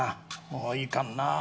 もういかんなあ。